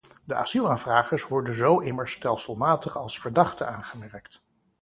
De asielaanvragers worden zo immers stelselmatig als verdachte aangemerkt.